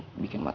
tapi dari start